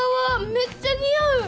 めっちゃ似合う！